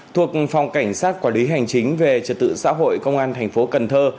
thuộc phòng cảnh sát quản lý hành chính về trật tự xã hội công an thành phố cần thơ